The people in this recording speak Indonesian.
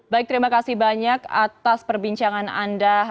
baik terima kasih banyak atas perbincangan anda